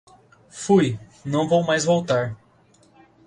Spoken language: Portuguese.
Fui! Não vou mais voltar.